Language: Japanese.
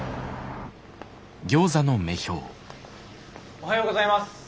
おはようございます。